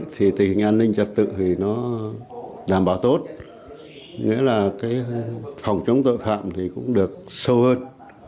thì tình hình an ninh trật tự thì nó đảm bảo tốt nghĩa là cái phòng chống tội phạm thì cũng được sâu hơn